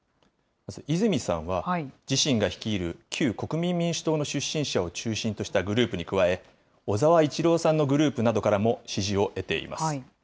まず泉さんは、自身が率いる旧国民民主党の出身者を中心としたグループに加え、小沢一郎さんのグループなどからも支持を得ています。